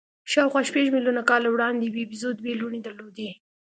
شاوخوا شپږ میلیونه کاله وړاندې یوې بیزو دوې لوڼې درلودې.